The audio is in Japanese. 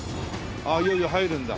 ああいよいよ入るんだ